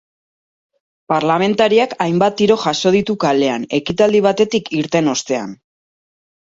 Parlamentariak hainbat tiro jaso ditu kalean, ekitaldi batetik irten ostean.